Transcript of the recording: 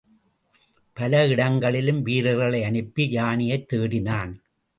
பல இடங்களிலும் வீரர்களை அனுப்பி யானையைத் தேடினான்.